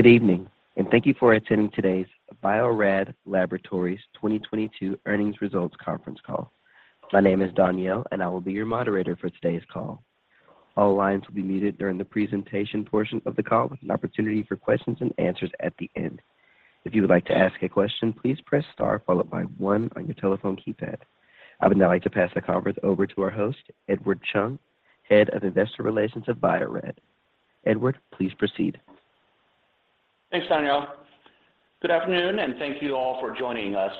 Good evening, and thank you for attending today's Bio-Rad Laboratories 2022 Earnings Results Conference Call. My name is Danielle, and I will be your moderator for today's call. All lines will be muted during the presentation portion of the call with an opportunity for questions and answers at the end. If you would like to ask a question, please press star followed by one on your telephone keypad. I would now like to pass the conference over to our host, Edward Chung, Head of Investor Relations of Bio-Rad. Edward, please proceed. Thanks, Danielle. Good afternoon, and thank you all for joining us.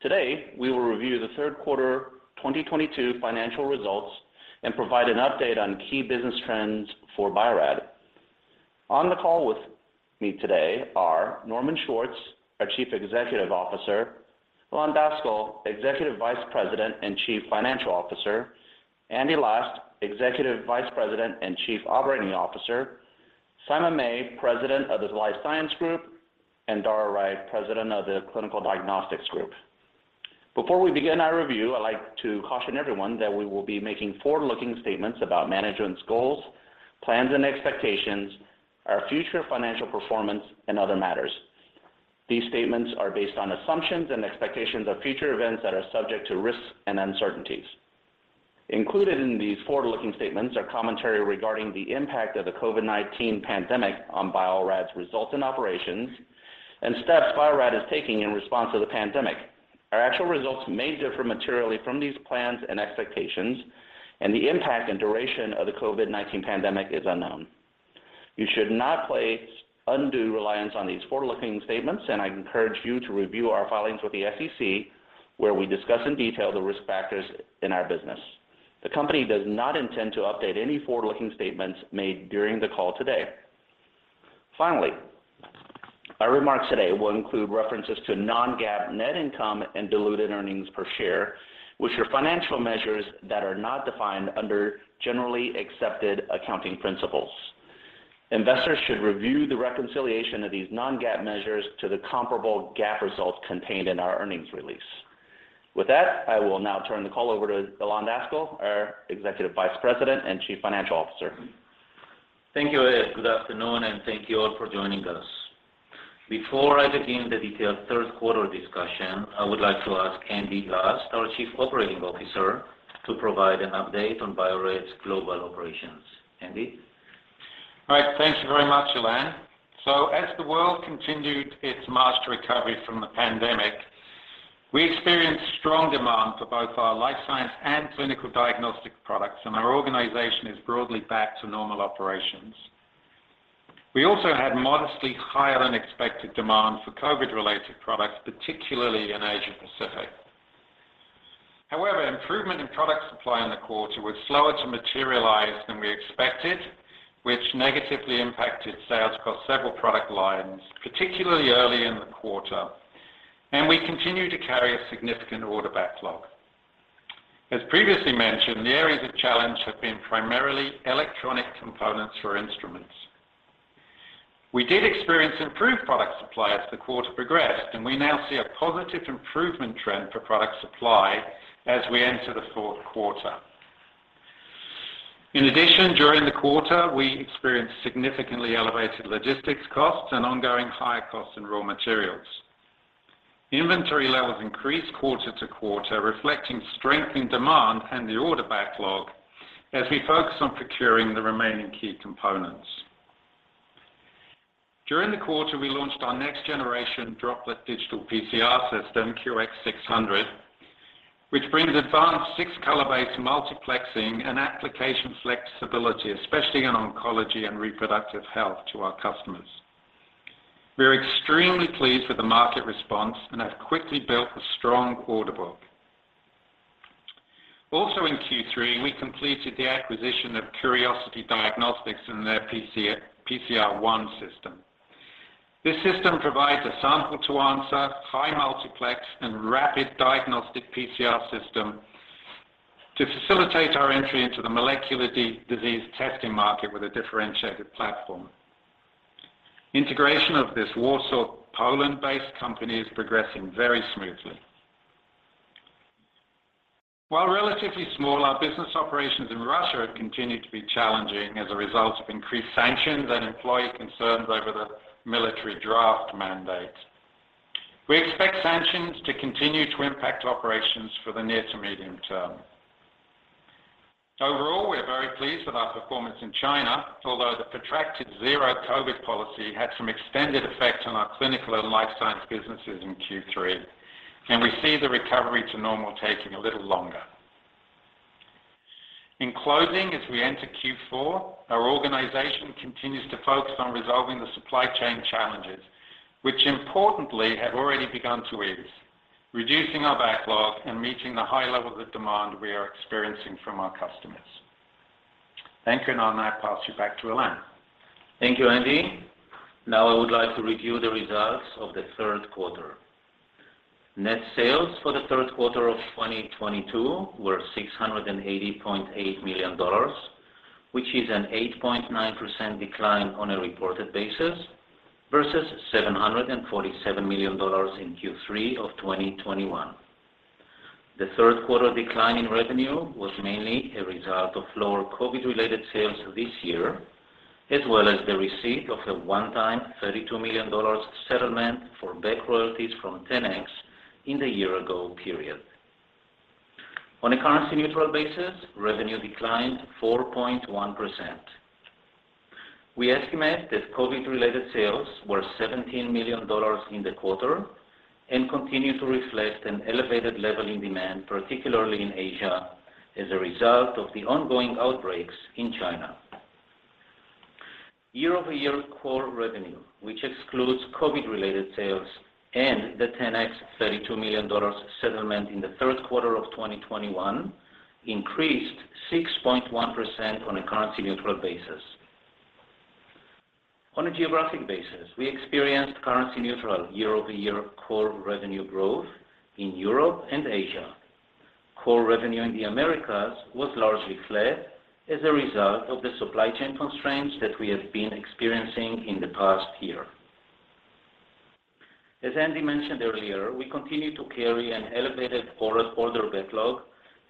Today, we will review the third quarter 2022 financial results and provide an update on key business trends for Bio-Rad. On the call with me today are Norman Schwartz, our Chief Executive Officer, Ilan Daskal, Executive Vice President and Chief Financial Officer, Andrew Last, Executive Vice President and Chief Operating Officer, Simon May, President of the life science group, and Dara Wright, President of the clinical diagnostics group. Before we begin our review, I'd like to caution everyone that we will be making forward-looking statements about management's goals, plans and expectations, our future financial performance, and other matters. These statements are based on assumptions and expectations of future events that are subject to risks and uncertainties. Included in these forward-looking statements are commentary regarding the impact of the COVID-19 pandemic on Bio-Rad's results and operations and steps Bio-Rad is taking in response to the pandemic. Our actual results may differ materially from these plans and expectations, and the impact and duration of the COVID-19 pandemic is unknown. You should not place undue reliance on these forward-looking statements, and I encourage you to review our filings with the SEC, where we discuss in detail the risk factors in our business. The company does not intend to update any forward-looking statements made during the call today. Finally, our remarks today will include references to non-GAAP net income and diluted earnings per share, which are financial measures that are not defined under generally accepted accounting principles. Investors should review the reconciliation of these non-GAAP measures to the comparable GAAP results contained in our earnings release. With that, I will now turn the call over to Ilan Daskal, our Executive Vice President and Chief Financial Officer. Thank you, Edward. Good afternoon, and thank you all for joining us. Before I begin the detailed third quarter discussion, I would like to ask Andrew Last, our Chief Operating Officer, to provide an update on Bio-Rad's global operations. Andy? All right. Thank you very much, Ilan. As the world continued its massive recovery from the pandemic, we experienced strong demand for both our life science and clinical diagnostics products, and our organization is broadly back to normal operations. We also had modestly higher-than-expected demand for COVID-related products, particularly in Asia-Pacific. However, improvement in product supply in the quarter was slower to materialize than we expected, which negatively impacted sales across several product lines, particularly early in the quarter, and we continue to carry a significant order backlog. As previously mentioned, the areas of challenge have been primarily electronic components for instruments. We did experience improved product supply as the quarter progressed, and we now see a positive improvement trend for product supply as we enter the fourth quarter. In addition, during the quarter, we experienced significantly elevated logistics costs and ongoing higher costs in raw materials. Inventory levels increased quarter to quarter, reflecting strength in demand and the order backlog as we focus on procuring the remaining key components. During the quarter, we launched our next generation droplet digital PCR system, QX600, which brings advanced six-color-based multiplexing and application flexibility, especially in oncology and reproductive health to our customers. We are extremely pleased with the market response and have quickly built a strong order book. Also in Q3, we completed the acquisition of Curiosity Diagnostics and their PCR ONE system. This system provides a sample-to-answer, high multiplex and rapid diagnostic PCR system to facilitate our entry into the molecular disease testing market with a differentiated platform. Integration of this Warsaw, Poland-based company is progressing very smoothly. While relatively small, our business operations in Russia have continued to be challenging as a result of increased sanctions and employee concerns over the military draft mandate. We expect sanctions to continue to impact operations for the near to medium term. Overall, we're very pleased with our performance in China, although the protracted zero COVID policy had some extended effect on our clinical and life science businesses in Q3, and we see the recovery to normal taking a little longer. In closing, as we enter Q4, our organization continues to focus on resolving the supply chain challenges, which importantly have already begun to ease, reducing our backlog and meeting the high level of demand we are experiencing from our customers. Thank you. I'll now pass you back to Ilan. Thank you, Andy. Now I would like to review the results of the third quarter. Net sales for the third quarter of 2022 were $688.8 million, which is an 8.9% decline on a reported basis versus $747 million in Q3 of 2021. The third quarter decline in revenue was mainly a result of lower COVID-related sales this year, as well as the receipt of a one-time $32 million settlement for back royalties from 10x in the year ago period. On a currency neutral basis, revenue declined 4.1%. We estimate that COVID-related sales were $17 million in the quarter and continue to reflect an elevated level in demand, particularly in Asia, as a result of the ongoing outbreaks in China. Year-over-year core revenue, which excludes COVID-related sales and the 10x $32 million settlement in the third quarter of 2021, increased 6.1% on a currency neutral basis. On a geographic basis, we experienced currency neutral year-over-year core revenue growth in Europe and Asia. Core revenue in the Americas was largely flat as a result of the supply chain constraints that we have been experiencing in the past year. As Andy mentioned earlier, we continue to carry an elevated order backlog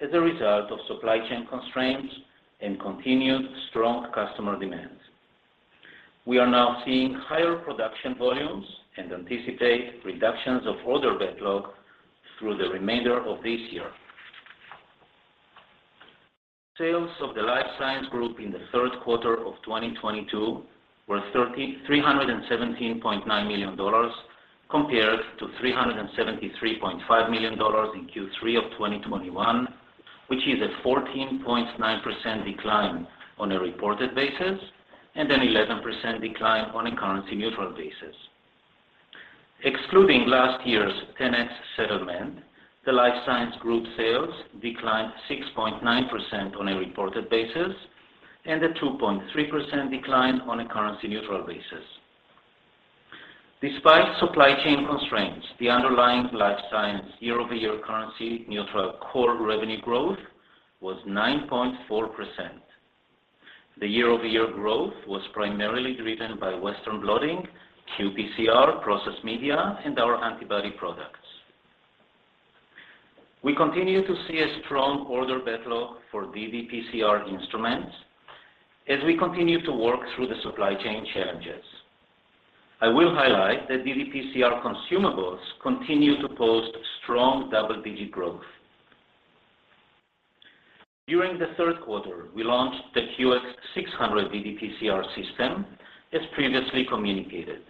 as a result of supply chain constraints and continued strong customer demands. We are now seeing higher production volumes and anticipate reductions of order backlog through the remainder of this year. Sales of the Life Science Group in the third quarter of 2022 were $3,317.9 million, compared to $373.5 million in Q3 of 2021, which is a 14.9% decline on a reported basis and an 11% decline on a currency neutral basis. Excluding last year's 10x settlement, the Life Science Group sales declined 6.9% on a reported basis and a 2.3% decline on a currency neutral basis. Despite supply chain constraints, the underlying Life Science year-over-year currency neutral core revenue growth was 9.4%. The year-over-year growth was primarily driven by Western Blotting, qPCR, Process Media, and our Antibody products. We continue to see a strong order backlog for ddPCR instruments as we continue to work through the supply chain challenges. I will highlight that ddPCR consumables continue to post strong double-digit growth. During the third quarter, we launched the QX600 ddPCR system, as previously communicated.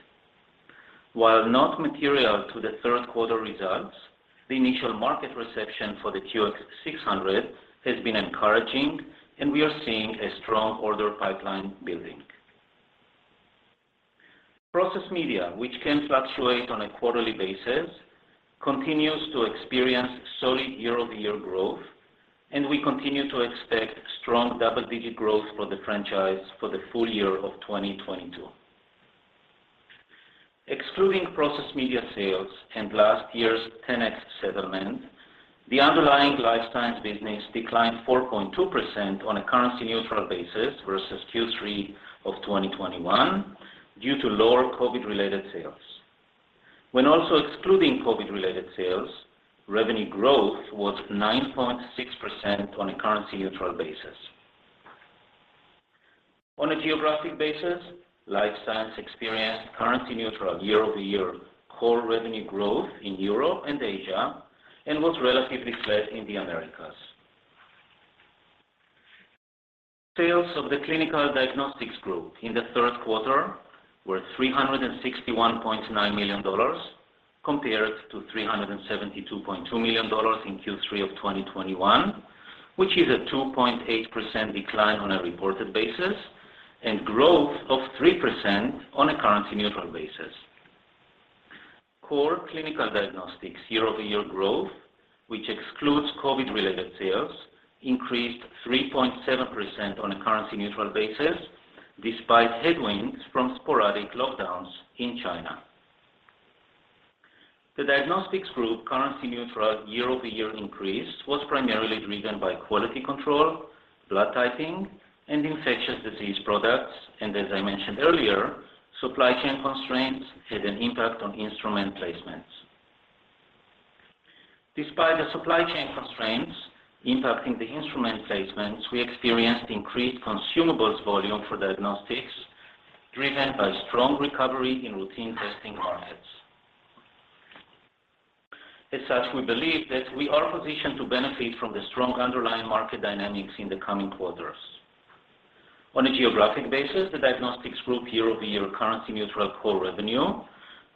While not material to the third quarter results, the initial market reception for the QX600 has been encouraging and we are seeing a strong order pipeline building. Process Media, which can fluctuate on a quarterly basis, continues to experience solid year-over-year growth, and we continue to expect strong double-digit growth for the franchise for the full year of 2022. Excluding Process Media sales and last year's 10x settlement, the underlying Life Science business declined 4.2% on a currency neutral basis versus Q3 of 2021 due to lower COVID-related sales. When also excluding COVID-related sales, revenue growth was 9.6% on a currency neutral basis. On a geographic basis, Life Science experienced currency neutral year-over-year core revenue growth in Europe and Asia and was relatively flat in the Americas. Sales of the Clinical Diagnostics Group in the third quarter were $361.9 million, compared to $372.2 million in Q3 of 2021, which is a 2.8% decline on a reported basis and growth of 3% on a currency neutral basis. Core clinical diagnostics year-over-year growth, which excludes COVID-related sales, increased 3.7% on a currency neutral basis despite headwinds from sporadic lockdowns in China. The Diagnostics Group currency neutral year-over-year increase was primarily driven by quality control, blood typing, and infectious disease products. As I mentioned earlier, supply chain constraints had an impact on instrument placements. Despite the supply chain constraints impacting the instrument placements, we experienced increased consumables volume for diagnostics, driven by strong recovery in routine testing markets. As such, we believe that we are positioned to benefit from the strong underlying market dynamics in the coming quarters. On a geographic basis, the Diagnostics Group year-over-year currency neutral core revenue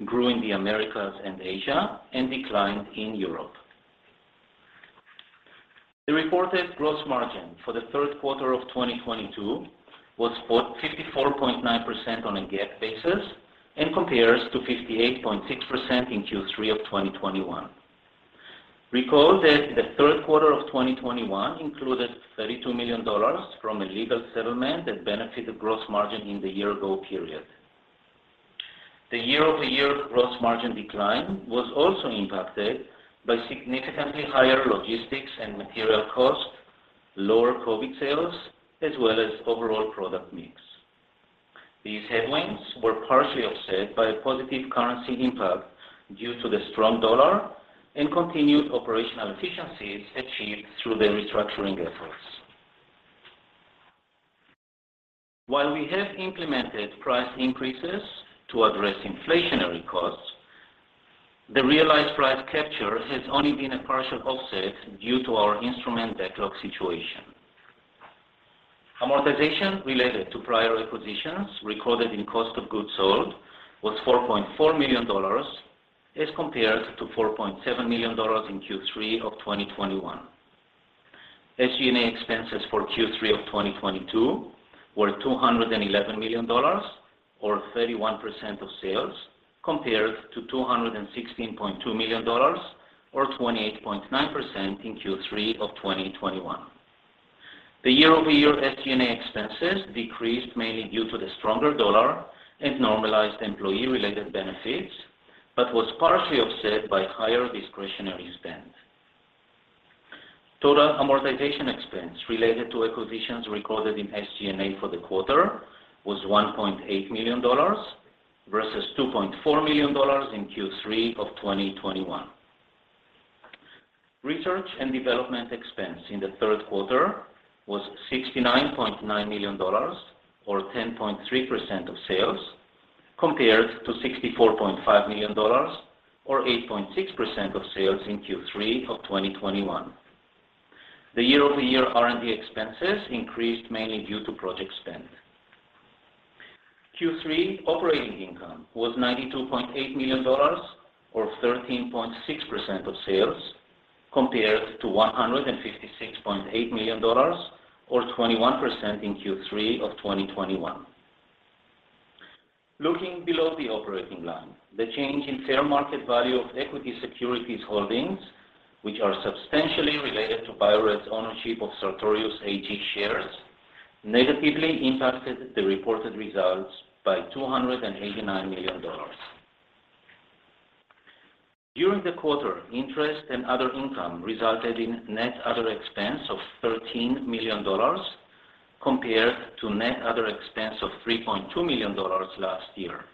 grew in the Americas and Asia and declined in Europe. The reported gross margin for the third quarter of 2022 was 44.9% on a GAAP basis and compares to 58.6% in Q3 of 2021. Recall that the third quarter of 2021 included $32 million from a legal settlement that benefited gross margin in the year ago period. The year-over-year gross margin decline was also impacted by significantly higher logistics and material costs, lower COVID sales, as well as overall product mix. These headwinds were partially offset by a positive currency impact due to the strong US dollar and continued operational efficiencies achieved through the restructuring efforts. While we have implemented price increases to address inflationary costs, the realized price capture has only been a partial offset due to our instrument backlog situation. Amortization related to prior acquisitions recorded in cost of goods sold was $4.4 million as compared to $4.7 million in Q3 of 2021. SG&A expenses for Q3 of 2022 were $211 million or 31% of sales, compared to $216.2 million or 28.9% in Q3 of 2021. The year-over-year SG&A expenses decreased mainly due to the stronger dollar and normalized employee-related benefits, but was partially offset by higher discretionary spend. Total amortization expense related to acquisitions recorded in SG&A for the quarter was $1.8 million versus $2.4 million in Q3 of 2021. Research and development expense in the third quarter was $69.9 million or 10.3% of sales, compared to $64.5 million or 8.6% of sales in Q3 of 2021. The year-over-year R&D expenses increased mainly due to project spend. Q3 operating income was $92.8 million or 13.6% of sales, compared to $156.8 million or 21% in Q3 of 2021. Looking below the operating line, the change in fair market value of equity securities holdings, which are substantially related to Bio-Rad's ownership of Sartorius AG shares, negatively impacted the reported results by $289 million. During the quarter, interest and other income resulted in net other expense of $13 million compared to net other expense of $3.2 million last year.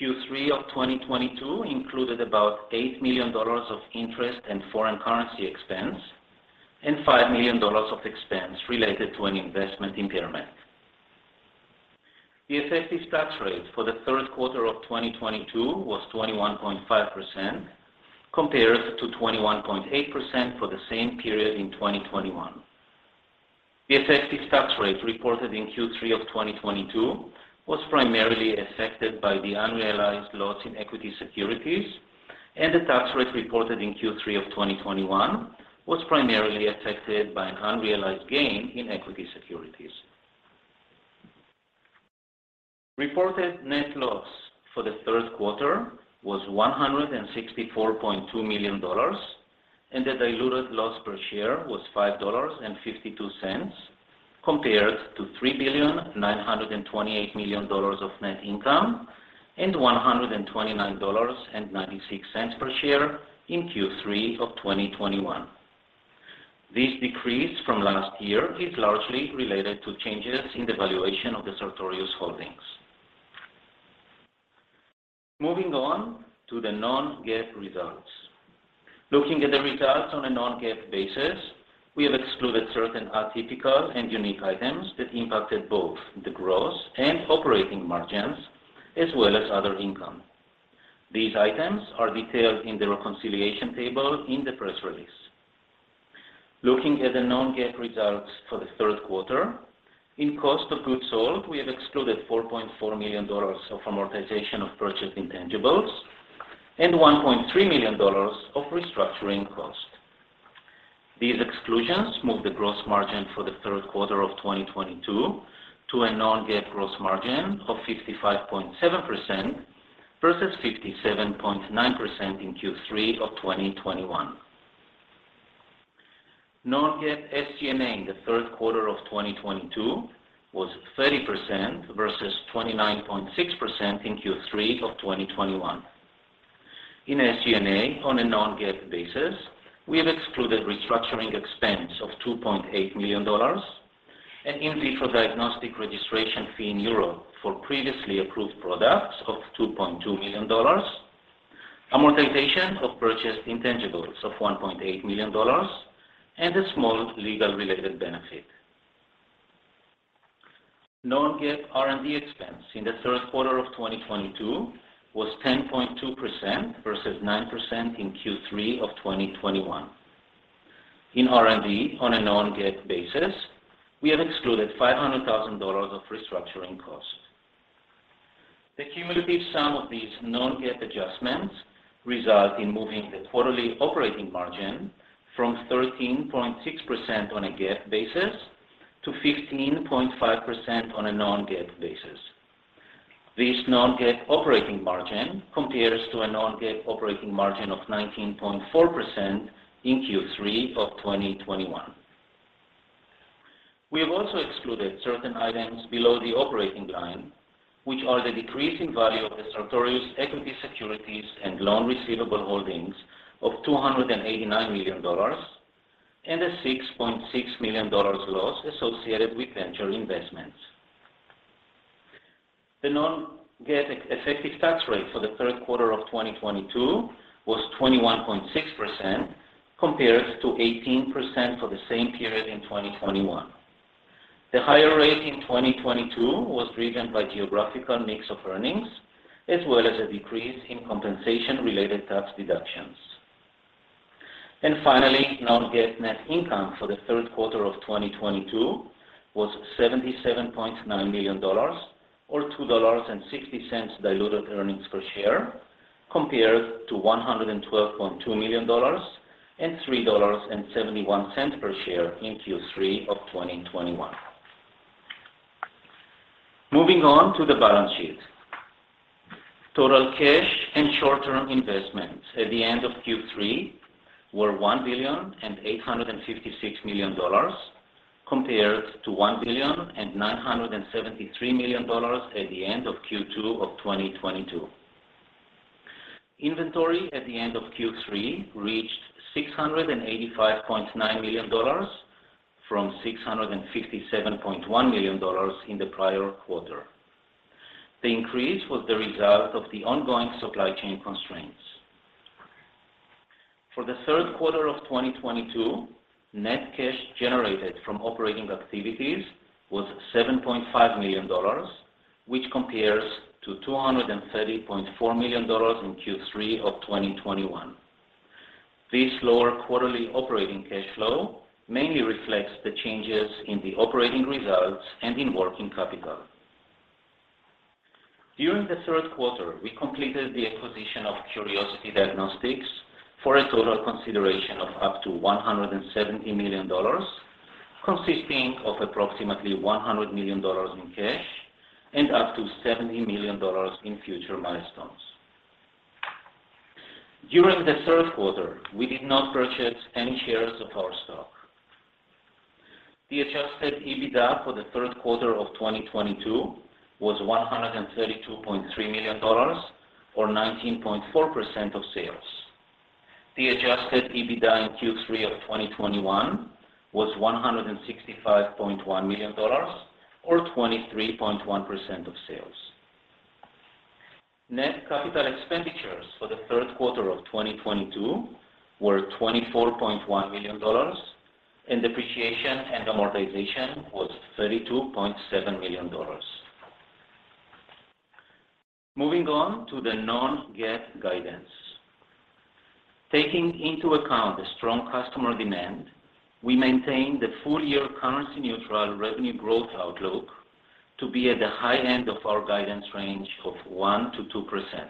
Q3 of 2022 included about $8 million of interest and foreign currency expense and $5 million of expense related to an investment impairment. The effective tax rate for the third quarter of 2022 was 21.5% compared to 21.8% for the same period in 2021. The effective tax rate reported in Q3 of 2022 was primarily affected by the unrealized loss in equity securities, and the tax rate reported in Q3 of 2021 was primarily affected by an unrealized gain in equity securities. Reported net loss for the third quarter was $164.2 million, and the diluted loss per share was $5.52, compared to $3.928 billion of net income and $129.96 per share in Q3 of 2021. This decrease from last year is largely related to changes in the valuation of the Sartorius holdings. Moving on to the non-GAAP results. Looking at the results on a non-GAAP basis, we have excluded certain atypical and unique items that impacted both the gross and operating margins, as well as other income. These items are detailed in the reconciliation table in the press release. Looking at the non-GAAP results for the third quarter, in cost of goods sold, we have excluded $4.4 million of amortization of purchased intangibles and $1.3 million of restructuring costs. These exclusions move the gross margin for the third quarter of 2022 to a non-GAAP gross margin of 55.7% versus 57.9% in Q3 of 2021. Non-GAAP SG&A in the third quarter of 2022 was 30% versus 29.6% in Q3 of 2021. In SG&A on a non-GAAP basis, we have excluded restructuring expense of $2.8 million, an in vitro diagnostic registration fee in Europe for previously approved products of $2.2 million, amortization of purchased intangibles of $1.8 million, and a small legal-related benefit. Non-GAAP R&D expense in the third quarter of 2022 was 10.2% versus 9% in Q3 of 2021. In R&D on a non-GAAP basis, we have excluded $500,000 of restructuring costs. The cumulative sum of these non-GAAP adjustments result in moving the quarterly operating margin from 13.6% on a GAAP basis to 15.5% on a non-GAAP basis. This non-GAAP operating margin compares to a non-GAAP operating margin of 19.4% in Q3 of 2021. We have also excluded certain items below the operating line, which are the decrease in value of the Sartorius equity securities and loan receivable holdings of $289 million. A $6.6 million loss associated with venture investments. The non-GAAP effective tax rate for the third quarter of 2022 was 21.6% compared to 18% for the same period in 2021. The higher rate in 2022 was driven by geographical mix of earnings, as well as a decrease in compensation-related tax deductions. Finally, non-GAAP net income for the third quarter of 2022 was $77.9 million or $2.60 diluted earnings per share, compared to $112.2 million and $3.71 per share in Q3 of 2021. Moving on to the balance sheet. Total cash and short-term investments at the end of Q3 were $1.856 billion compared to $1.973 billion at the end of Q2 of 2022. Inventory at the end of Q3 reached $685.9 million from $657.1 million in the prior quarter. The increase was the result of the ongoing supply chain constraints. For the third quarter of 2022, net cash generated from operating activities was $7.5 million, which compares to $230.4 million in Q3 of 2021. This lower quarterly operating cash flow mainly reflects the changes in the operating results and in working capital. During the third quarter, we completed the acquisition of Curiosity Diagnostics for a total consideration of up to $170 million, consisting of approximately $100 million in cash and up to $70 million in future milestones. During the third quarter, we did not purchase any shares of our stock. The adjusted EBITDA for the third quarter of 2022 was $132.3 million or 19.4% of sales. The adjusted EBITDA in Q3 of 2021 was $165.1 million or 23.1% of sales. Net capital expenditures for the third quarter of 2022 were $24.1 million, and depreciation and amortization was $32.7 million. Moving on to the non-GAAP guidance. Taking into account the strong customer demand, we maintain the full-year currency neutral revenue growth outlook to be at the high end of our guidance range of 1%-2%.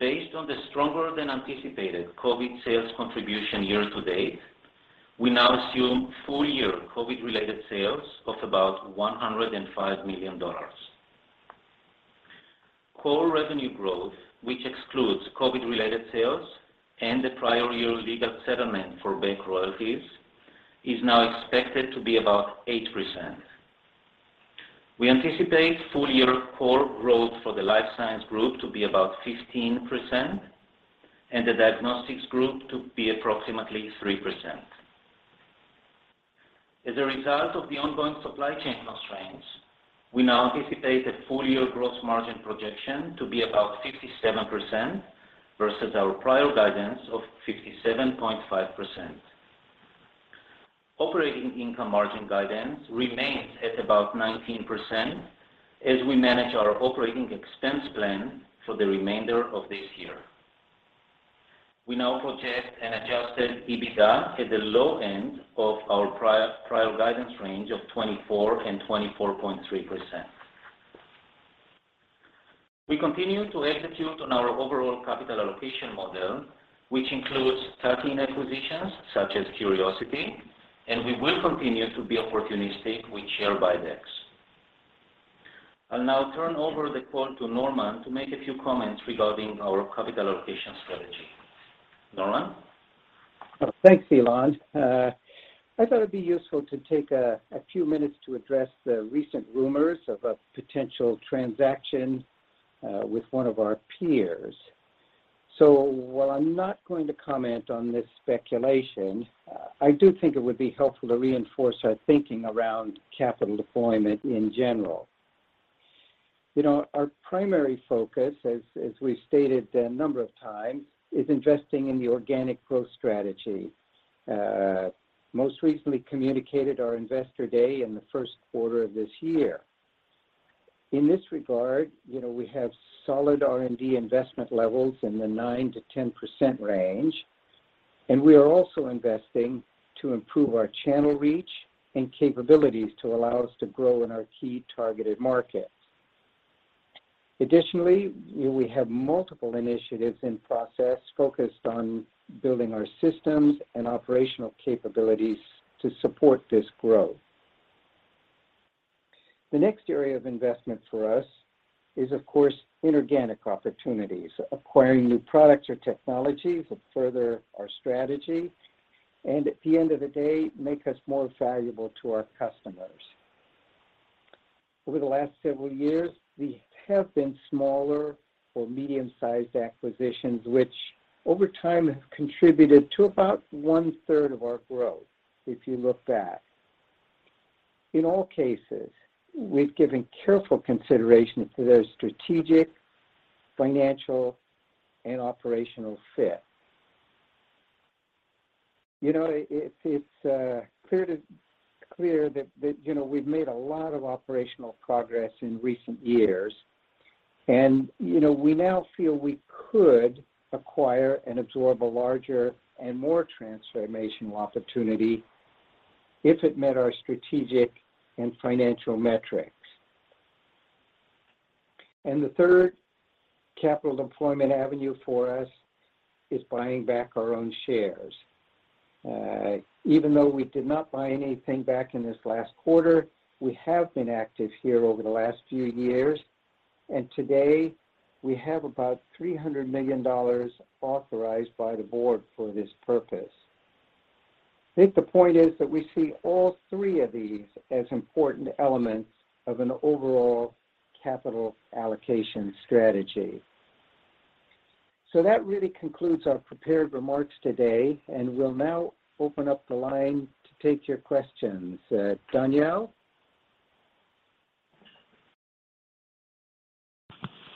Based on the stronger than anticipated COVID sales contribution year-to-date, we now assume full-year COVID-related sales of about $105 million. Core revenue growth, which excludes COVID-related sales and the prior-year legal settlement for back royalties, is now expected to be about 8%. We anticipate full-year core growth for the Life Science Group to be about 15% and the Diagnostics Group to be approximately 3%. As a result of the ongoing supply chain constraints, we now anticipate the full-year gross margin projection to be about 57% versus our prior guidance of 57.5%. Operating income margin guidance remains at about 19% as we manage our operating expense plan for the remainder of this year. We now project an adjusted EBITDA at the low end of our prior guidance range of 24%-24.3%. We continue to execute on our overall capital allocation model, which includes 13 acquisitions, such as Curiosity, and we will continue to be opportunistic with share buybacks. I'll now turn over the call to Norman to make a few comments regarding our capital allocation strategy. Norman? Thanks, Ilan. I thought it'd be useful to take a few minutes to address the recent rumors of a potential transaction with one of our peers. While I'm not going to comment on this speculation, I do think it would be helpful to reinforce our thinking around capital deployment in general. You know, our primary focus, as we stated a number of times, is investing in the organic growth strategy, most recently communicated our Investor Day in the first quarter of this year. In this regard, you know, we have solid R&D investment levels in the 9%-10% range, and we are also investing to improve our channel reach and capabilities to allow us to grow in our key targeted markets. Additionally, we have multiple initiatives in process focused on building our systems and operational capabilities to support this growth. The next area of investment for us is, of course, inorganic opportunities, acquiring new products or technologies that further our strategy and at the end of the day make us more valuable to our customers. Over the last several years, we have made smaller or medium-sized acquisitions, which over time have contributed to about one-third of our growth, if you look back. In all cases, we've given careful consideration to their strategic, financial and operational fit. You know, it's clear that, you know, we've made a lot of operational progress in recent years. You know, we now feel we could acquire and absorb a larger and more transformational opportunity if it met our strategic and financial metrics. The third capital deployment avenue for us is buying back our own shares. Even though we did not buy anything back in this last quarter, we have been active here over the last few years, and today we have about $300 million authorized by the board for this purpose. I think the point is that we see all three of these as important elements of an overall capital allocation strategy. That really concludes our prepared remarks today, and we'll now open up the line to take your questions. Danielle?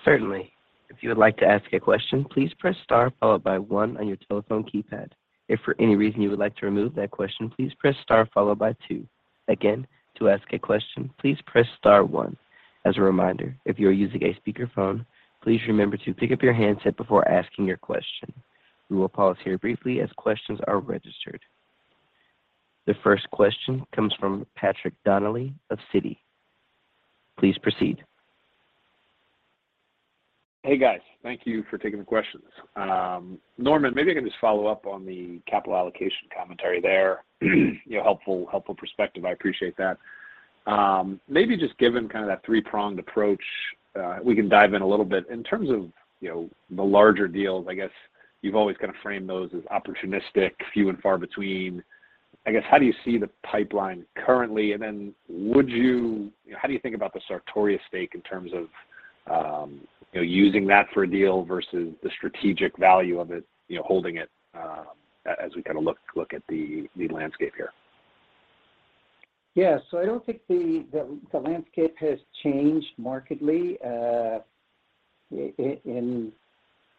Certainly. If you would like to ask a question, please press star followed by one on your telephone keypad. If for any reason you would like to remove that question, please press star followed by two. Again, to ask a question, please press star one. As a reminder, if you are using a speakerphone, please remember to pick up your handset before asking your question. We will pause here briefly as questions are registered. The first question comes from Patrick Donnelly of Citi. Please proceed. Hey, guys. Thank you for taking the questions. Norman, maybe I can just follow up on the capital allocation commentary there. You know, helpful perspective. I appreciate that. Maybe just given kind of that three-pronged approach, we can dive in a little bit. In terms of, you know, the larger deals, I guess you've always kind of framed those as opportunistic, few and far between. I guess, how do you see the pipeline currently? And then how do you think about the Sartorius stake in terms of, you know, using that for a deal versus the strategic value of it, you know, holding it, as we kind of look at the landscape here? Yeah. I don't think the landscape has changed markedly in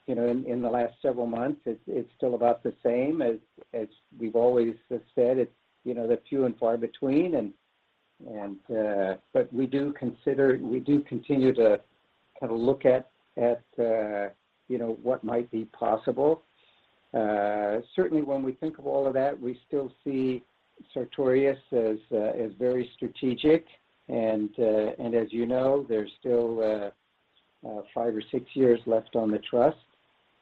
you know, in the last several months. It's still about the same as we've always said. It's you know, they're few and far between and but we do consider. We do continue to kind of look at you know, what might be possible. Certainly when we think of all of that, we still see Sartorius as very strategic and as you know, there's still five or six years left on the trust.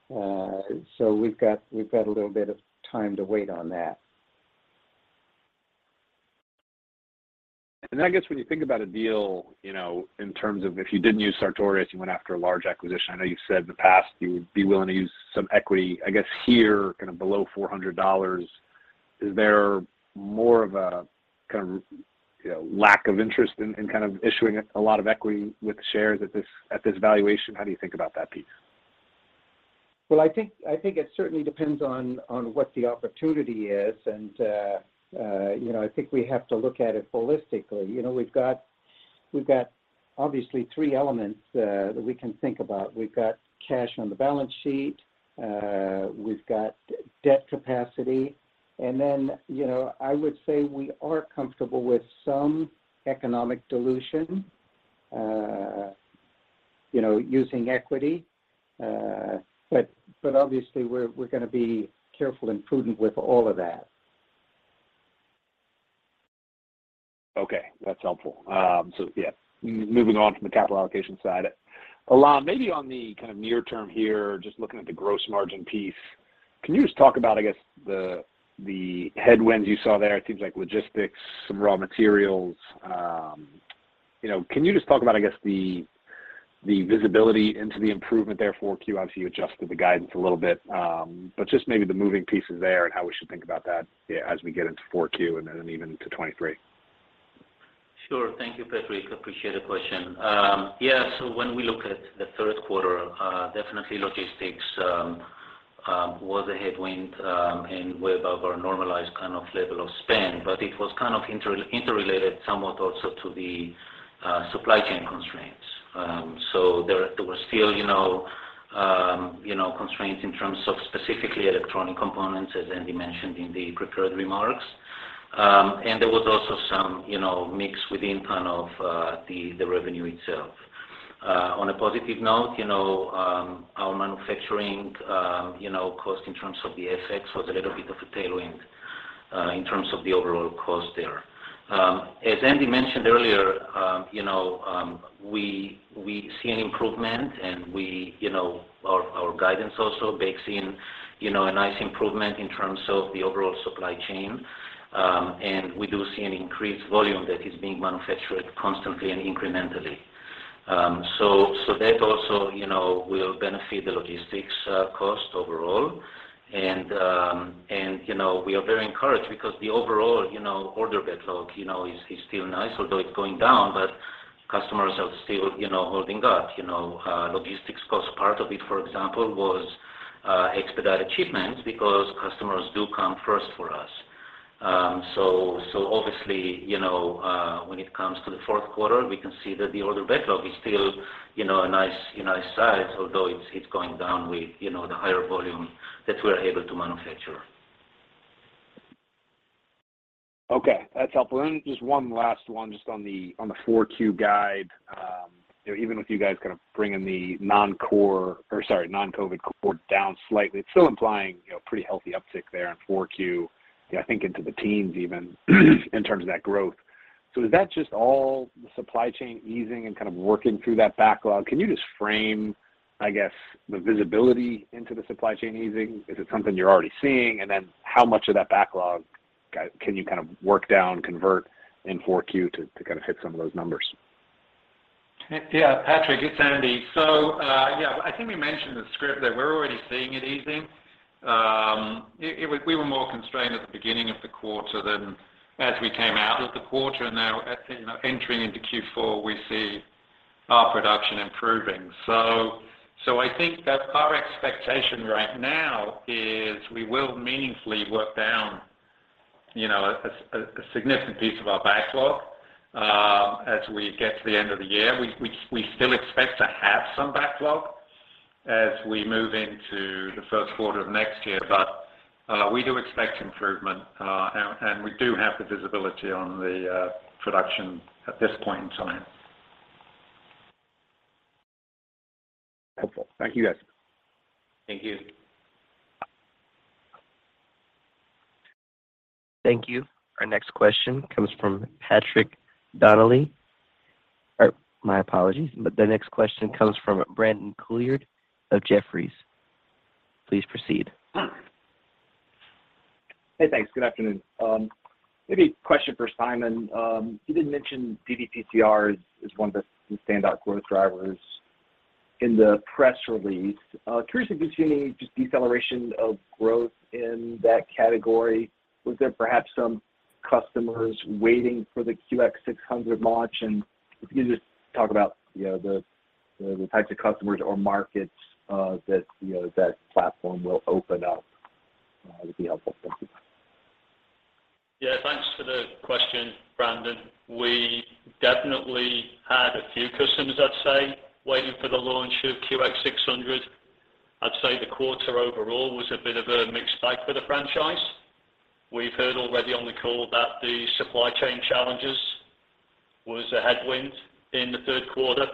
We've got a little bit of time to wait on that. I guess when you think about a deal, you know, in terms of if you didn't use Sartorius, you went after a large acquisition, I know you've said in the past you would be willing to use some equity. I guess here, kind of below $400, is there more of a kind of, you know, lack of interest in kind of issuing a lot of equity with shares at this valuation? How do you think about that piece? Well, I think it certainly depends on what the opportunity is. You know, I think we have to look at it holistically. You know, we've got obviously three elements that we can think about. We've got cash on the balance sheet. We've got debt capacity. You know, I would say we are comfortable with some economic dilution, you know, using equity. Obviously we're gonna be careful and prudent with all of that. Okay. That's helpful. Yeah, moving on from the capital allocation side. Ilan, maybe on the kind of near term here, just looking at the gross margin piece, can you just talk about, I guess, the headwinds you saw there? It seems like logistics, some raw materials. You know, can you just talk about, I guess, the visibility into the improvement there for Q? Obviously, you adjusted the guidance a little bit, but just maybe the moving pieces there and how we should think about that, yeah, as we get into Q4 and then even to 2023. Sure. Thank you, Patrick. Appreciate the question. Yeah, when we look at the third quarter, definitely logistics was a headwind way above our normalized kind of level of spend, but it was kind of interrelated somewhat also to the supply chain constraints. There were still, you know, constraints in terms of specifically electronic components, as Andy mentioned in the prepared remarks. There was also some, you know, mix within kind of the revenue itself. On a positive note, you know, our manufacturing cost in terms of the FX was a little bit of a tailwind in terms of the overall cost there. As Andy mentioned earlier, you know, we see an improvement and we, you know, our guidance also bakes in, you know, a nice improvement in terms of the overall supply chain. We do see an increased volume that is being manufactured constantly and incrementally. That also, you know, will benefit the logistics cost overall. You know, we are very encouraged because the overall, you know, order backlog, you know, is still nice, although it's going down, but customers are still, you know, holding up. You know, logistics cost, part of it, for example, was expedited shipments because customers do come first for us. Obviously, you know, when it comes to the fourth quarter, we can see that the order backlog is still, you know, a nice size, although it's going down with, you know, the higher volume that we're able to manufacture. Okay. That's helpful. Just one last one just on the 4Q guide. You know, even with you guys kind of bringing the non-core or sorry, non-COVID core down slightly, it's still implying, you know, pretty healthy uptick there in 4Q, I think into the teens even in terms of that growth. Is that just all the supply chain easing and kind of working through that backlog? Can you just frame, I guess, the visibility into the supply chain easing? Is it something you're already seeing? Then how much of that backlog can you kind of work down, convert in 4Q to kind of hit some of those numbers? Yeah, Patrick, it's Andy. Yeah, I think we mentioned the supply that we're already seeing it easing. We were more constrained at the beginning of the quarter than as we came out of the quarter. Now, you know, entering into Q4, we see our production improving. I think that our expectation right now is we will meaningfully work down, you know, a significant piece of our backlog as we get to the end of the year. We still expect to have some backlog as we move into the first quarter of next year. We do expect improvement, and we do have the visibility on the production at this point in time. Helpful. Thank you, guys. Thank you. Thank you. Our next question comes from Patrick Donnelly. My apologies, but the next question comes from Brandon Couillard of Jefferies. Please proceed. Hey, thanks. Good afternoon. Maybe a question for Simon. You did mention ddPCR as one of the standout growth drivers in the press release. Curious if you're seeing any just deceleration of growth in that category. Was there perhaps some customers waiting for the QX600 launch? And if you could just talk about, you know, the types of customers or markets that you know that platform will open up would be helpful. Thank you. Yeah, thanks for the question, Brandon. We definitely had a few customers, I'd say, waiting for the launch of QX600. I'd say the quarter overall was a bit of a mixed bag for the franchise. We've heard already on the call that the supply chain challenges was a headwind in the third quarter,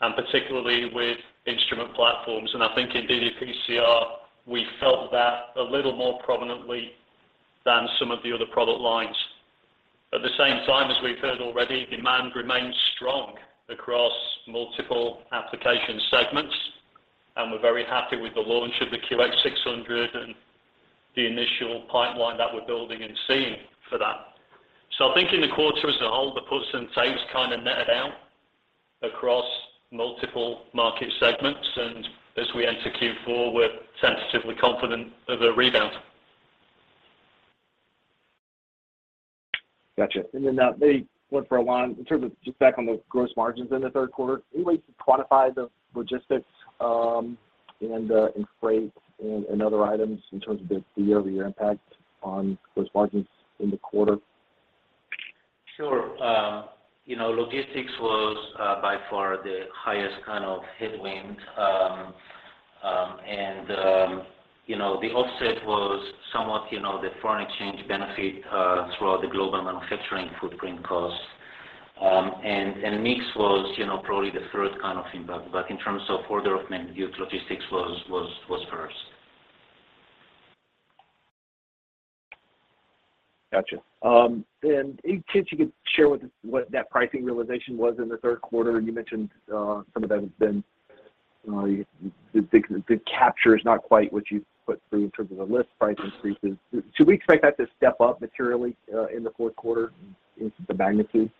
and particularly with instrument platforms. I think in ddPCR, we felt that a little more prominently than some of the other product lines. At the same time, as we've heard already, demand remains strong across multiple application segments, and we're very happy with the launch of the QX600 and the initial pipeline that we're building and seeing for that. I think in the quarter as a whole, the puts and takes kind of netted out across multiple market segments. As we enter Q4, we're tentatively confident of a rebound. Gotcha. Maybe one for Ilan. In terms of just back on the gross margins in the third quarter, any way to quantify the logistics, and freight and other items in terms of the year-over-year impact on gross margins in the quarter? Sure. You know, logistics was by far the highest kind of headwind. You know, the offset was somewhat, you know, the foreign exchange benefit throughout the global manufacturing footprint costs. Mix was, you know, probably the third kind of impact. In terms of order of magnitude, logistics was first. Gotcha. In case you could share what that pricing realization was in the third quarter. You mentioned some of that has been the capture is not quite what you put through in terms of the list price increases. Do we expect that to step up materially in the fourth quarter in terms of magnitude?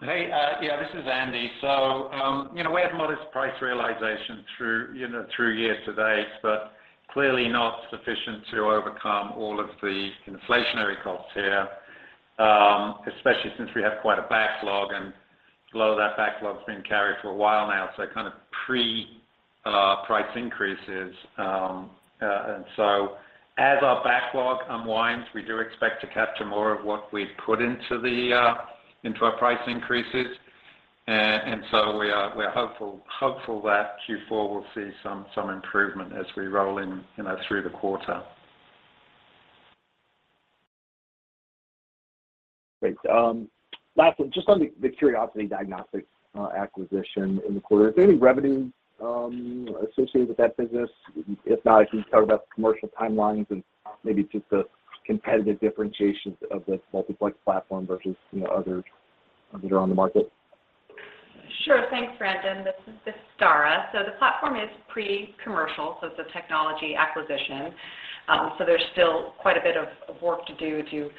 Hey, yeah, this is Andy. You know, we had modest price realization through, you know, through year to date, but clearly not sufficient to overcome all of the inflationary costs here, especially since we have quite a backlog, and a lot of that backlog has been carried for a while now, so kind of pre-price increases. As our backlog unwinds, we do expect to capture more of what we've put into our price increases. We're hopeful that Q4 will see some improvement as we roll in, you know, through the quarter. Great. Lastly, just on the Curiosity Diagnostics acquisition in the quarter, is there any revenue associated with that business? If not, can you talk about the commercial timelines and maybe just the competitive differentiations of the multiplex platform versus, you know, others that are on the market? Sure. Thanks, Brandon Couillard. This is Dara Wright. The platform is pre-commercial, so it's a technology acquisition. There's still quite a bit of work to do to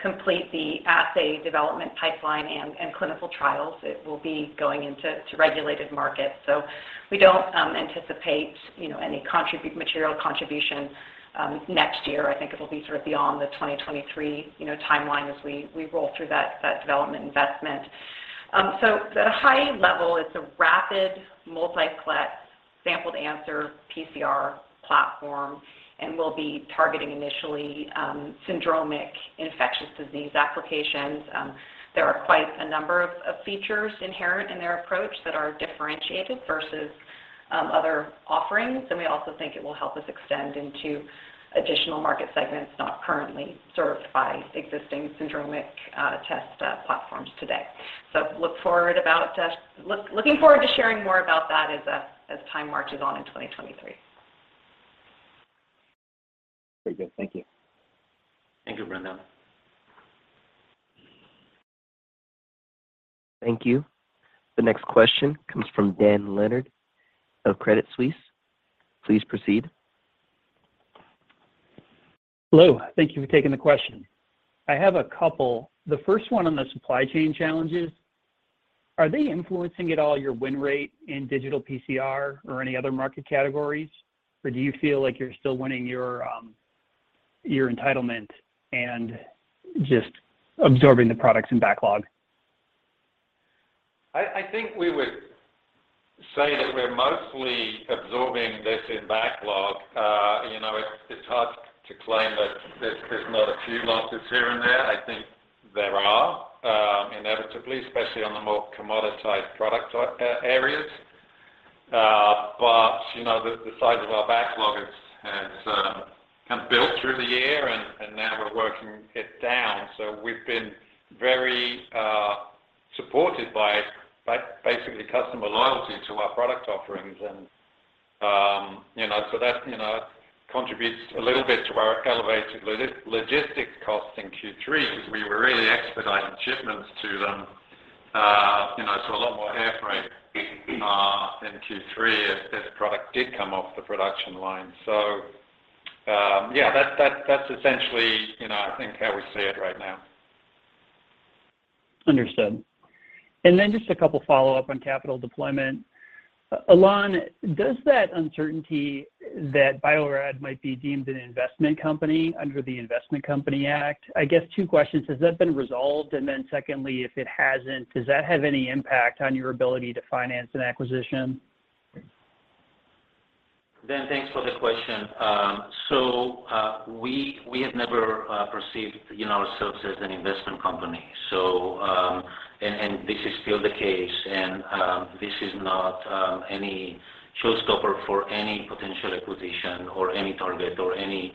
complete the assay development pipeline and clinical trials. It will be going into regulated markets. We don't anticipate, you know, any material contribution next year. I think it'll be sort of beyond the 2023, you know, timeline as we roll through that development investment. At a high level, it's a rapid multiplex sample-to-answer PCR platform, and we'll be targeting initially syndromic infectious disease applications. There are quite a number of features inherent in their approach that are differentiated versus other offerings. We also think it will help us extend into additional market segments not currently served by existing syndromic test platforms today. Looking forward to sharing more about that as time marches on in 2023. Very good. Thank you. Thank you, Brandon. Thank you. The next question comes from Dan Leonard of Credit Suisse. Please proceed. Hello. Thank you for taking the question. I have a couple. The first one on the supply chain challenges, are they influencing at all your win rate in digital PCR or any other market categories? Or do you feel like you're still winning your entitlement and just absorbing the products in backlog? I think we would say that we're mostly absorbing this in backlog. You know, it's hard to claim that there's not a few losses here and there. I think there are inevitably, especially on the more commoditized product areas. You know, the size of our backlog has kind of built through the year, and now we're working it down. We've been very supported by basically customer loyalty to our product offerings and, you know. That, you know, contributes a little bit to our elevated logistics costs in Q3 because we were really expediting shipments to them, you know, so a lot more air freight in Q3 as product did come off the production line. That's essentially, you know, I think how we see it right now. Understood. Just a couple follow-up on capital deployment. Ilan, does that uncertainty that Bio-Rad might be deemed an investment company under the Investment Company Act, I guess two questions, has that been resolved? Secondly, if it hasn't, does that have any impact on your ability to finance an acquisition? Dan, thanks for the question. We have never perceived, you know, ourselves as an investment company. This is still the case. This is not any showstopper for any potential acquisition or any target or any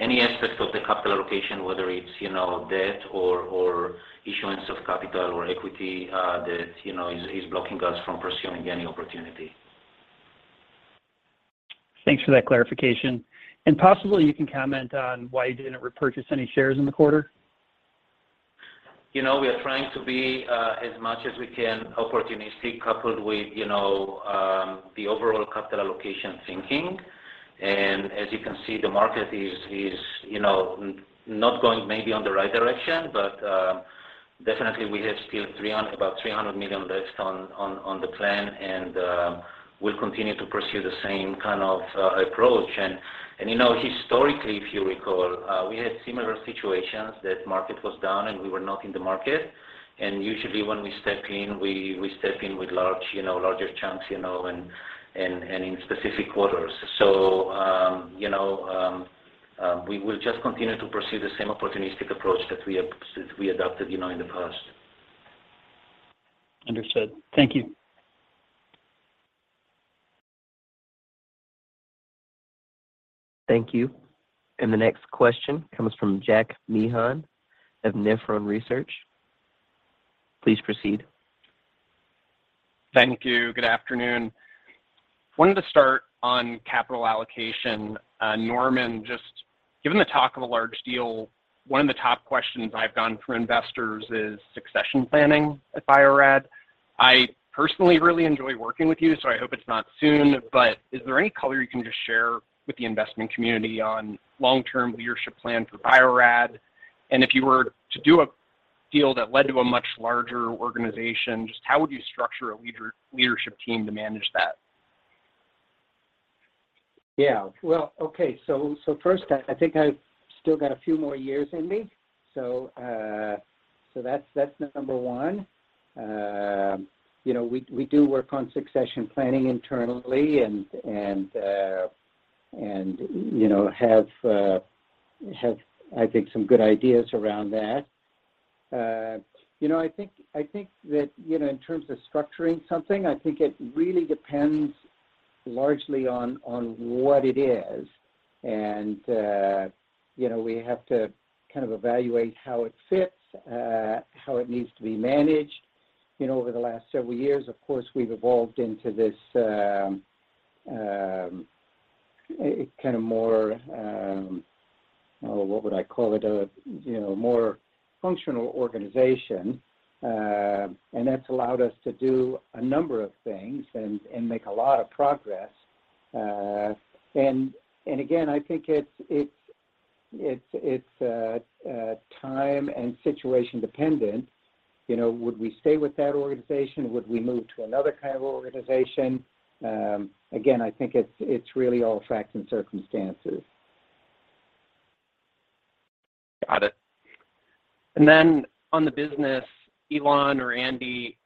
aspect of the capital allocation, whether it's, you know, debt or issuance of capital or equity that is blocking us from pursuing any opportunity. Thanks for that clarification. Possibly you can comment on why you didn't repurchase any shares in the quarter. You know, we are trying to be as much as we can opportunistic, coupled with, you know, the overall capital allocation thinking. As you can see, the market is, you know, not going maybe in the right direction, but definitely we have still about $300 million left on the plan and we'll continue to pursue the same kind of approach. You know, historically, if you recall, we had similar situations that the market was down and we were not in the market. Usually when we step in, we step in with large, you know, larger chunks, you know, and in specific quarters. You know, we will just continue to pursue the same opportunistic approach that we adopted, you know, in the past. Understood. Thank you. Thank you. The next question comes from Jack Meehan of Nephron Research. Please proceed. Thank you. Good afternoon. Wanted to start on capital allocation. Norman, just given the talk of a large deal, one of the top questions I've gotten from investors is succession planning at Bio-Rad. I personally really enjoy working with you, so I hope it's not soon. But is there any color you can just share with the investment community on long-term leadership plan for Bio-Rad? If you were to do a deal that led to a much larger organization, just how would you structure a leadership team to manage that? Yeah. Well, okay. First, I think I've still got a few more years in me. That's number one. You know, we do work on succession planning internally and, you know, have, I think, some good ideas around that. You know, I think that, you know, in terms of structuring something, I think it really depends largely on what it is. You know, we have to kind of evaluate how it fits, how it needs to be managed. You know, over the last several years, of course, we've evolved into this, a kind of more. Oh, what would I call it? A more functional organization, you know. That's allowed us to do a number of things and make a lot of progress. Again, I think it's time and situation dependent, you know. Would we stay with that organization? Would we move to another kind of organization? Again, I think it's really all facts and circumstances. Got it. Then on the business, Ilan or Andy,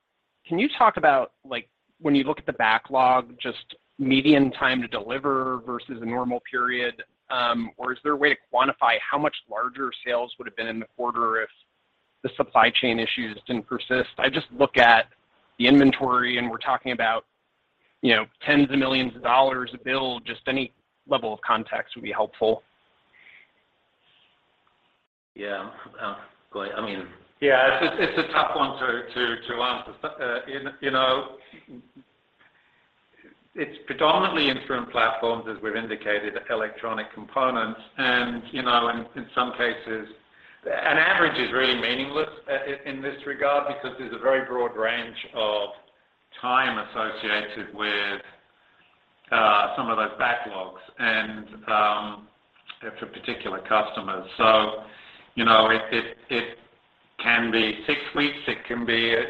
can you talk about, like, when you look at the backlog, just median time to deliver versus a normal period? Or is there a way to quantify how much larger sales would have been in the quarter if the supply chain issues didn't persist? I just look at the inventory, and we're talking about, you know, tens of millions of dollars of build. Just any level of context would be helpful. Yeah. Go ahead. I mean. Yeah. It's a tough one to answer. You know, it's predominantly instrument platforms, as we've indicated, electronic components and in some cases. An average is really meaningless in this regard because there's a very broad range of time associated with some of those backlogs and for particular customers. You know, it can be six weeks, it can be a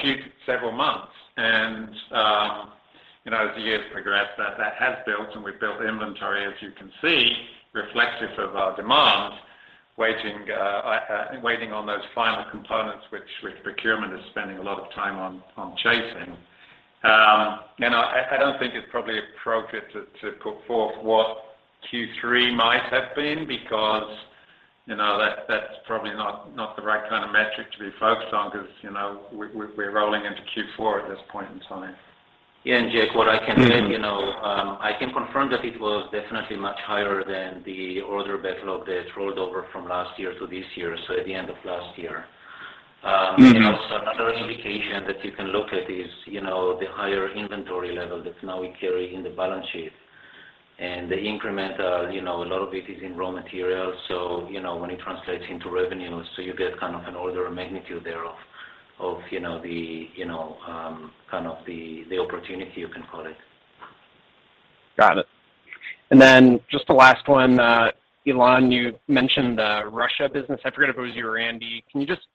few several months. You know, as the years progress, that has built, and we've built inventory, as you can see, reflective of our demand, waiting on those final components, which procurement is spending a lot of time on chasing. You know, I don't think it's probably appropriate to put forth what Q3 might have been because, you know, that's probably not the right kind of metric to be focused on because, you know, we're rolling into Q4 at this point in time. Yeah. Jack, what I can add, you know, I can confirm that it was definitely much higher than the order backlog that rolled over from last year to this year, so at the end of last year. Mm-hmm. You know, another indication that you can look at is, you know, the higher inventory level that now we carry in the balance sheet. The incremental, you know, a lot of it is in raw materials, so, you know, when it translates into revenue, so you get kind of an order of magnitude there of, you know, kind of the opportunity, you can call it. Got it. Just the last one, Ilan, you mentioned the Russia business. I forget if it was you or Andy. Can you just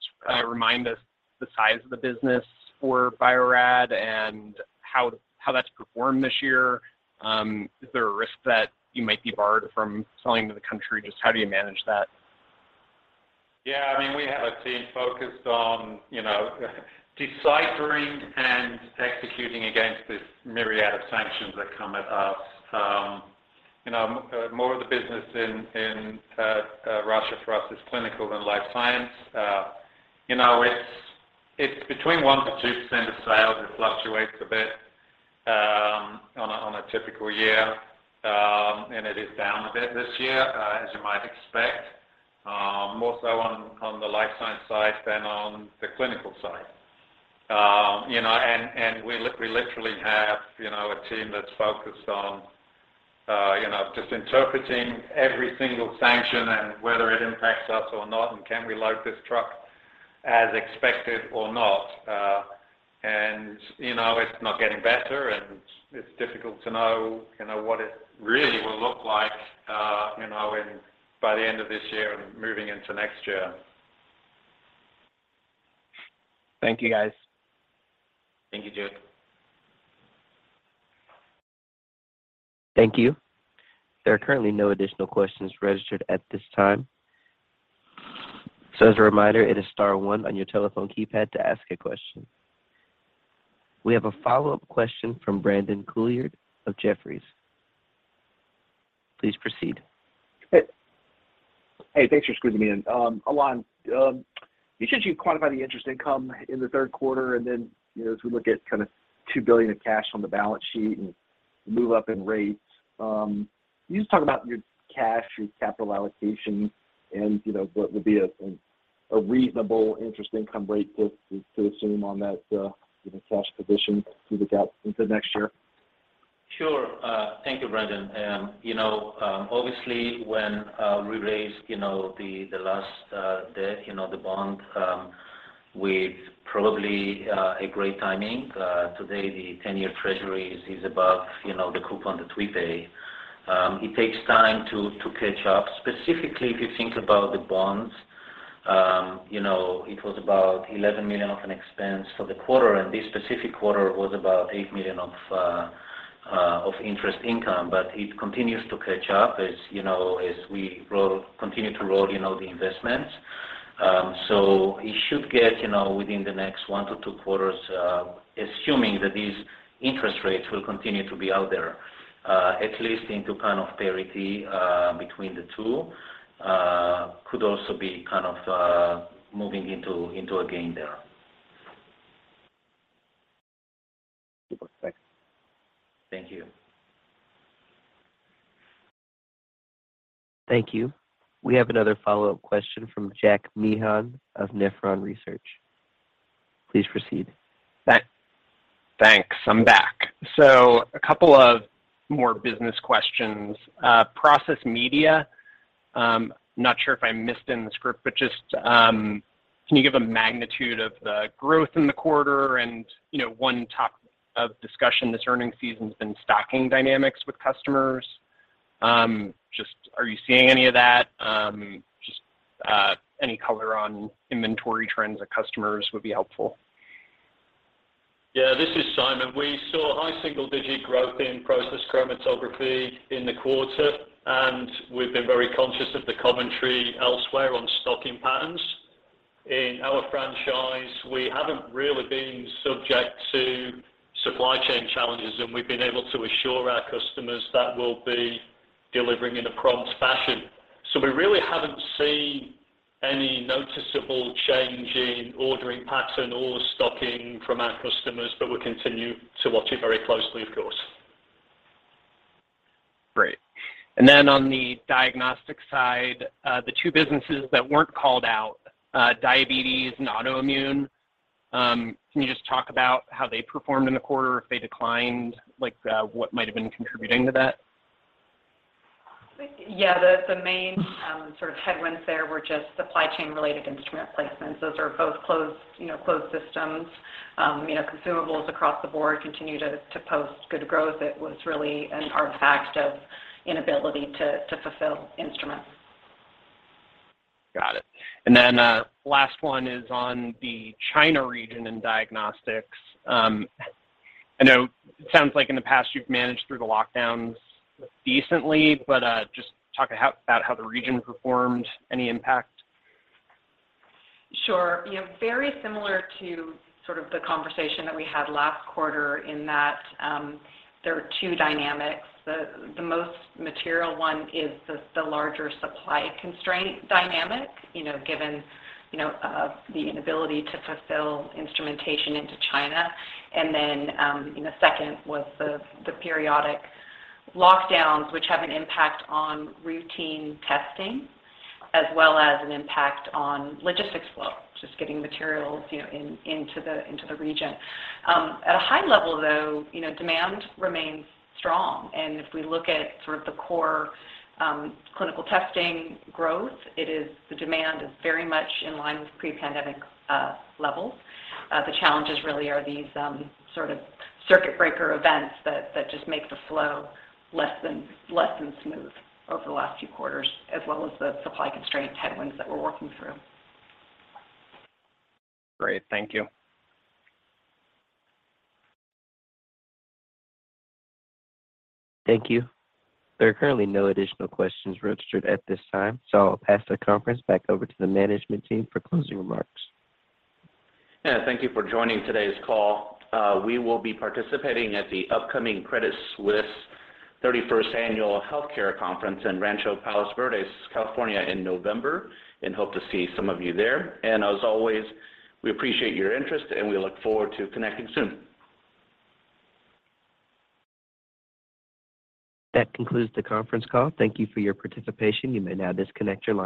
remind us the size of the business for Bio-Rad and how that's performed this year? Is there a risk that you might be barred from selling to the country? Just how do you manage that? Yeah. I mean, we have a team focused on, you know, deciphering and executing against this myriad of sanctions that come at us. More of the business in Russia for us is clinical than life science. You know, it's between 1%-2% of sales. It fluctuates a bit on a typical year, and it is down a bit this year, as you might expect, more so on the life science side than on the clinical side. You know, and we literally have, you know, a team that's focused on, you know, just interpreting every single sanction and whether it impacts us or not, and can we load this truck as expected or not. You know, it's not getting better, and it's difficult to know, you know, what it really will look like, you know, by the end of this year and moving into next year. Thank you, guys. Thank you, Jack Meehan. Thank you. There are currently no additional questions registered at this time. As a reminder, it is star one on your telephone keypad to ask a question. We have a follow-up question from Brandon Couillard of Jefferies. Please proceed. Hey. Hey, thanks for squeezing me in. Ilan, you said you'd quantify the interest income in the third quarter and then, you know, as we look at kinda $2 billion of cash on the balance sheet and move up in rates, can you just talk about your cash, your capital allocation and, you know, what would be a reasonable interest income rate to assume on that, you know, cash position through GAAP into next year? Sure. Thank you, Brandon. You know, obviously, when we raised the last debt, you know, the bond, with probably a great timing, today, the 10-year treasury is above, you know, the coupon that we pay. It takes time to catch up. Specifically, if you think about the bonds, you know, it was about $11 million of an expense for the quarter, and this specific quarter was about $8 million of interest income. It continues to catch up as, you know, as we continue to roll, you know, the investments. It should get, you know, within the next 1-2 quarters, assuming that these interest rates will continue to be out there, at least into kind of parity, between the two, could also be kind of moving into a gain there. Super. Thanks. Thank you. Thank you. We have another follow-up question from Jack Meehan of Nephron Research. Please proceed. Thanks. I'm back. A couple of more business questions. Process Media, not sure if I missed in the script, but just, can you give a magnitude of the growth in the quarter? You know, one topic of discussion this earnings season's been stocking dynamics with customers. Just are you seeing any of that? Just, any color on inventory trends of customers would be helpful. Yeah, this is Simon. We saw high single-digit growth in process chromatography in the quarter, and we've been very conscious of the commentary elsewhere on stocking patterns. In our franchise, we haven't really been subject to supply chain challenges, and we've been able to assure our customers that we'll be delivering in a prompt fashion. We really haven't seen any noticeable change in ordering pattern or stocking from our customers, but we continue to watch it very closely, of course. Great. On the diagnostic side, the two businesses that weren't called out, diabetes and autoimmune, can you just talk about how they performed in the quarter? If they declined, like, what might have been contributing to that? Yeah. The main sort of headwinds there were just supply chain related instrument placements. Those are both closed, you know, closed systems. You know, consumables across the board continue to post good growth. It was really an artifact of inability to fulfill instruments. Got it. Last one is on the China region in diagnostics. I know it sounds like in the past you've managed through the lockdowns decently, but just talk about how the region performed, any impact. Sure. You know, very similar to sort of the conversation that we had last quarter in that, there are two dynamics. The most material one is the larger supply constraint dynamic, you know, given, you know, the inability to fulfill instrumentation into China. You know, second was the periodic lockdowns, which have an impact on routine testing as well as an impact on logistics flow, just getting materials, you know, into the region. At a high level, though, you know, demand remains strong. If we look at sort of the core clinical testing growth, the demand is very much in line with pre-pandemic levels. The challenges really are these sort of circuit breaker events that just make the flow less than smooth over the last few quarters, as well as the supply constraint headwinds that we're working through. Great. Thank you. Thank you. There are currently no additional questions registered at this time, so I'll pass the conference back over to the management team for closing remarks. Yeah. Thank you for joining today's call. We will be participating at the upcoming Credit Suisse 31st Annual Healthcare Conference in Rancho Palos Verdes, California in November, and hope to see some of you there. As always, we appreciate your interest, and we look forward to connecting soon. That concludes the conference call. Thank you for your participation. You may now disconnect your line.